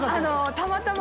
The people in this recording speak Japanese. たまたま。